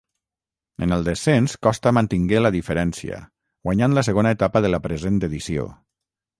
En el descens Costa mantingué la diferència, guanyant la segona etapa de la present edició.